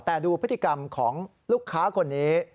แต่ดูพฤติกรรมของลูกค้าคนนี้